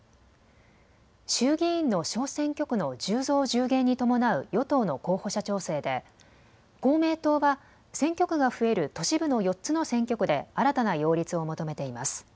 衆議院の小選挙区の１０増１０減に伴う与党の候補者調整で公明党は選挙区が増える都市部の４つの選挙区で新たな擁立を求めています。